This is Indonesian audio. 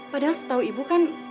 padahal setahu ibu kan